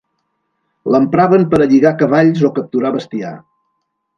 L'empraven per a lligar cavalls o capturar bestiar.